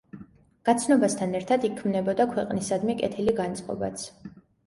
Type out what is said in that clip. გაცნობასთან ერთად, იქმნებოდა ქვეყნისადმი კეთილი განწყობაც.